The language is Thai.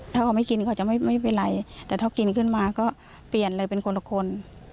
ถ้าเขาไม่กินเขาจะไม่เป็นไรแต่ถ้ากินขึ้นมาก็เปลี่ยนเลยเป็นคนละคน